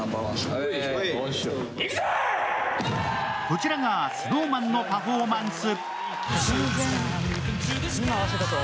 こちらがＳｎｏｗＭａｎのパフォーマンス。